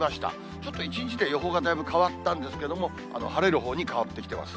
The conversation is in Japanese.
ちょっと１日で予報がだいぶ変わったんですけども、晴れるほうに変わってきてます。